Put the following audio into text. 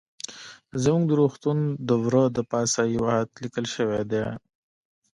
زموږ د روغتون د وره د پاسه يو ايت ليکل شوى ديه.